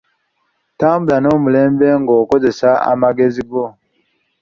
Tambula n'omulembe nga okozesa amagezi go.